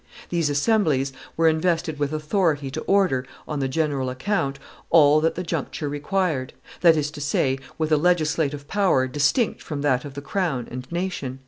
These assemblies were invested with authority to order, on the general account, all that the juncture required, that is to say, with a legislative power distinct from that of the crown and nation.